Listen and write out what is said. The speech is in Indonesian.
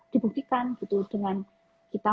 dibuktikan dengan kita